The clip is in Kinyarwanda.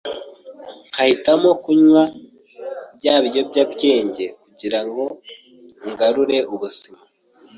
nkahitamo kunywa bya biyobyabwenge kugirango ngarure ubuzima